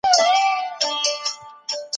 ولې د دولت عایدات په دومره چټکۍ کم سول؟